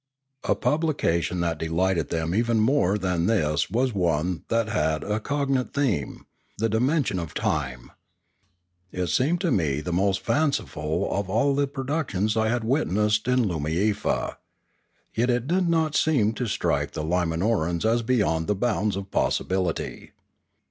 A publication that delighted them even more than this was one that had a cognate theme, the dimension of time. It seemed to me the most fanciful of all the productions I had witnessed in Loomiefa. Yet it did not seem to strike the Limanorans as beyond the bounds of possibility.